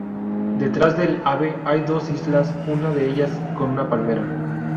Detrás del ave hay dos islas, una de ellas con una palmera.